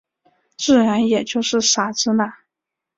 自然也就是傻子了。